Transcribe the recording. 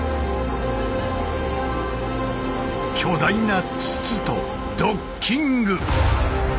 巨大な筒とドッキング！